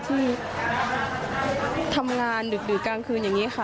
ที่ทำงานดึกกลางคืนอย่างนี้ค่ะ